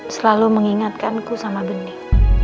selalu mengingatkanku sama benih